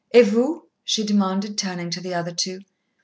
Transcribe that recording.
"Et vous?" she demanded, turning to the other two.